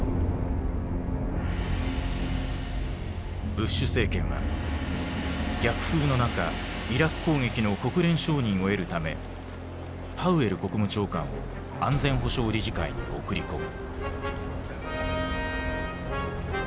ブッシュ政権は逆風の中イラク攻撃の国連承認を得るためパウエル国務長官を安全保障理事会に送り込む。